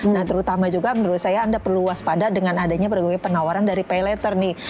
nah terutama juga menurut saya anda perlu waspada dengan adanya berbagai penawaran dari pay letter nih